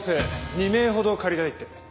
２名ほど借りたいって。